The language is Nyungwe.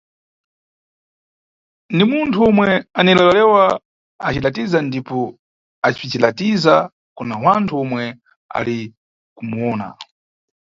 Ni munthu omwe anilewa-lewa, acilatiza ndipo acibzilatiza kuna wanthu omwe ali kumuwona.